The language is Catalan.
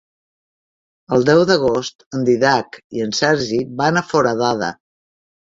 El deu d'agost en Dídac i en Sergi van a Foradada.